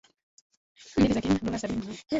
Mbili za Kenya (dola sabini na moja).